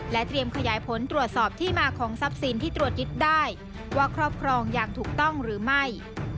เตรียมขยายผลตรวจสอบที่มาของทรัพย์สินที่ตรวจยึดได้ว่าครอบครองอย่างถูกต้องหรือไม่